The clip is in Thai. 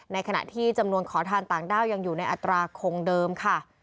ขณะที่จำนวนขอทานต่างด้าวยังอยู่ในอัตราคงเดิมค่ะ